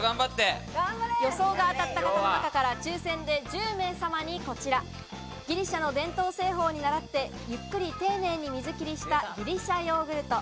予想が当たった方の中から抽選で１０名様にこちら、ギリシャの伝統製法にならってゆっくり丁寧に水切りしたギリシャヨーグルト。